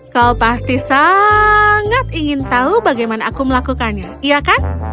kau pasti sangat ingin tahu bagaimana aku melakukannya iya kan